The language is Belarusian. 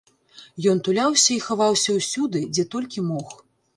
Ён туляўся і хаваўся ўсюды, дзе толькі мог.